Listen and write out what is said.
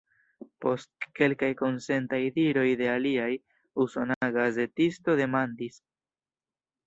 Post kelkaj konsentaj diroj de aliaj, usona gazetisto demandis: